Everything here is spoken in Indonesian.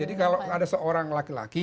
jadi kalau ada seorang laki laki